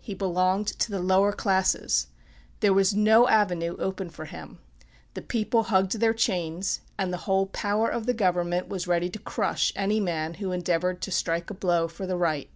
He belonged to the lower classes. There was no avenue open for him. The people hugged their chains, and the whole power of the government was ready to crush any man who endeavored to strike a blow for the right.